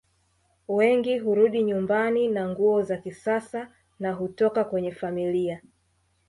Wengi hurudi nyumbani na nguo za kisasa na hutoka kwenye familia